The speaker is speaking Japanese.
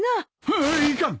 はあいかん！